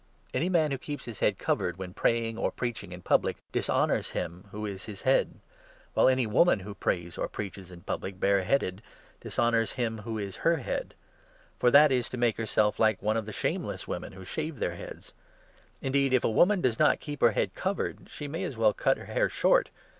Any man 4 who keeps his head covered, when praying or preaching in public, dishonours him who is his Head ; while any woman, 5 who prays or preaches in public bare headed, dishonours him who is her Head ; for that is to make herself like one of the shameless women who shave their heads. Indeed, if a 6 woman does not keep her head covered, she may as well cut her hair short.